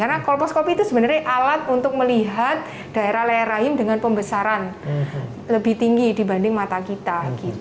karena kolposcopy itu sebenarnya alat untuk melihat daerah leher rahim dengan pembesaran lebih tinggi dibanding mata kita